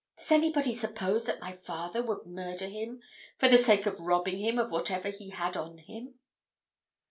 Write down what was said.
"Does anybody suppose that my father would murder him for the sake of robbing him of whatever he had on him?"